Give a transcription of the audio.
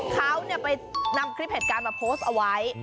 เขาไปนำคลิปเหตุการณ์มาโพสต์เอาไว้